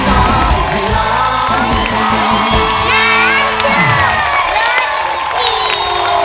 น้องฝ่าดิน